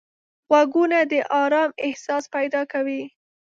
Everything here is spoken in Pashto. غوږونه د آرام احساس پیدا کوي